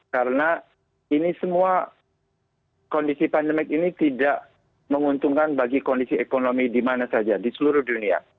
karena ini semua kondisi pandemi ini tidak menguntungkan bagi kondisi ekonomi di mana saja di seluruh dunia